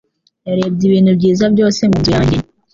Yarebye ibintu byiza byose mu nzu yanjye.